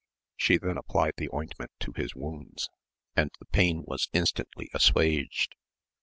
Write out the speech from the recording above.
She then applied the ointment to his wounds, and the pain was instantly assuaged.